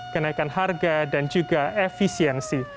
kenaikan harga dan juga efisiensi